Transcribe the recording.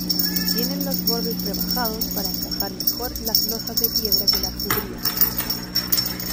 Tienen los bordes rebajados para encajar mejor las losas de piedra que las cubrían.